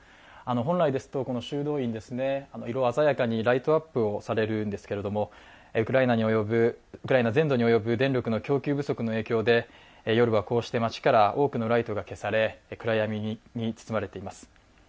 本来ですとこの修道院色鮮やかにライトアップをされるんですけれどもウクライナに及ぶウクライナ全土に及ぶ電力の供給不足の影響で夜はこうして街から多くのライトが消され、暗闇に包まれています。